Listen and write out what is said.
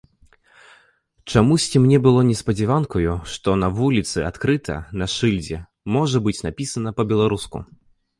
Чамусьці мне было неспадзяванкаю, што на вуліцы, адкрыта, на шыльдзе можа быць напісана па-беларуску.